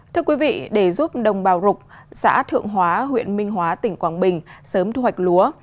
thưa quý vị để giúp đồng bào rục xã thượng hóa huyện minh hóa tỉnh quảng bình sớm thu hoạch lúa